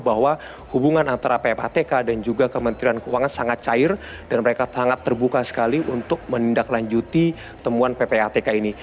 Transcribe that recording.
bahwa hubungan antara ppatk dan juga kementerian keuangan sangat cair dan mereka sangat terbuka sekali untuk menindaklanjuti temuan ppatk ini